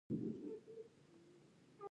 که غواړې راتلونکي نسلونه مو په درناوي ياد کړي.